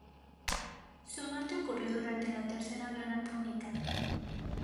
Su muerte ocurrió durante la tercera guerra púnica.